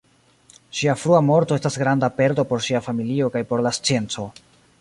Ŝia frua morto estas granda perdo por ŝia familio kaj por la scienco.